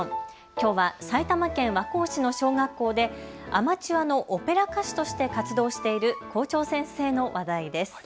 きょうは埼玉県和光市の小学校でアマチュアのオペラ歌手として活動している校長先生の話題です。